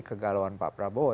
kegalauan pak prabowo